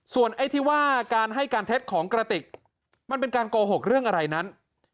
ส่วนไอ้ที่ว่าการให้การเท็จของกระติกมันเป็นการโกหกเรื่องอะไรนั้น